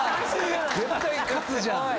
絶対勝つじゃん。